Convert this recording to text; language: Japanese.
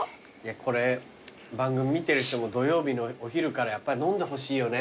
これ番組見てる人も土曜日のお昼からやっぱ飲んでほしいよね。